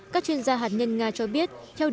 các chuyên gia hạt nhân nga cho biết